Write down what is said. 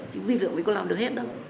chứ vi lượng mới có làm được hết đâu